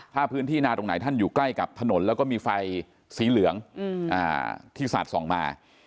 ถ้าพื้นที่นาตรงไหนท่านอยู่ใกล้กับถนนแล้วก็มีไฟสีเหลืองที่สาดส่องมา